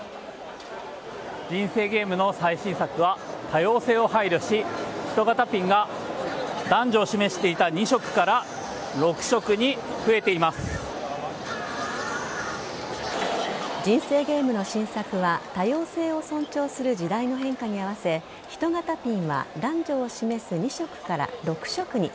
人生ゲームの最新作は多様性を配慮し、人型ピンが男女を示していた２色から６色に人生ゲームの新作は多様性を尊重する時代の変化に合わせ人型ピンは男女を示す２色から６色に。